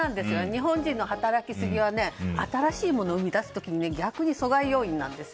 日本人の働きすぎは新しいものを生み出す時に逆に阻害要因なんです。